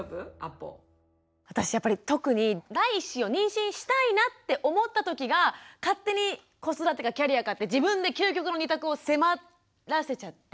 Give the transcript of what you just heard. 私やっぱり特に第１子を妊娠したいなって思った時が勝手に子育てかキャリアかって自分で究極の２択を迫らせちゃって。